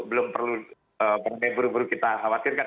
belum perlu kita khawatirkan